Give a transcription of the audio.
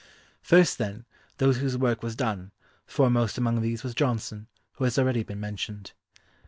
First, then, those whose work was done; foremost among these was Johnson, who has already been mentioned.